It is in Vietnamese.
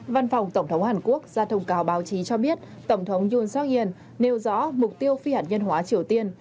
văn phòng tổng thống hàn quốc ra thông cáo báo chí cho biết tổng thống yoon seok in nêu rõ mục tiêu phi hạt nhân hóa triều tiên